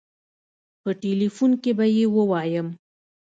په ټيليفون کې به يې ووايم.